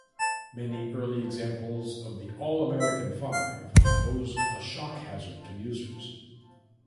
Many early examples of the 'All-American Five' posed a shock hazard to users.